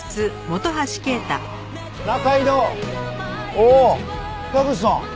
おお田口さん。